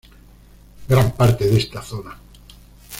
Gran parte de esta zona.